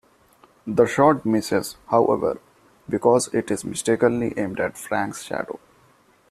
The shot misses, however, because it is mistakenly aimed at Frank's shadow.